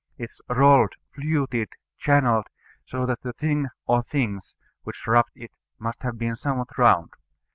It is rolled, fluted, channelled, so that the thing or things which rubbed it must have been somewhat round.